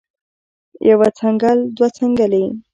يوه څنګل او دوه څنګلې